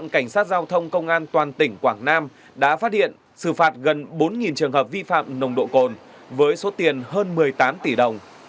cảnh sát giao thông công an toàn tỉnh quảng nam đã phát hiện xử phạt gần bốn trường hợp vi phạm nồng độ cồn với số tiền hơn một mươi tám tỷ đồng